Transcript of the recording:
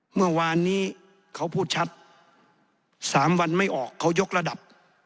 เมื่อวานนี้เขาพูดชัด๓วันไม่ออกเขายกระดับ